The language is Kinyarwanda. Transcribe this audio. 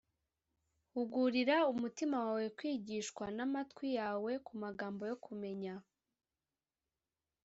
hugurira umutima wawe kwigishwa, n’amatwi yawe ku magambo yo kumenya